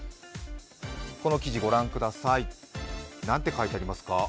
この記事、ご覧ください、何て書いてありますか？